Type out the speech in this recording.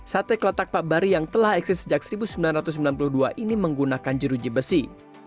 sate kelotak pak bari yang telah eksis sejak seribu sembilan ratus sembilan puluh dua ini menggunakan jeruji besi